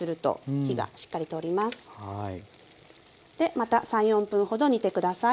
でまた３４分ほど煮て下さい。